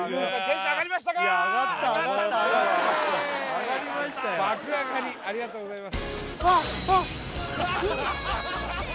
爆上がりありがとうございます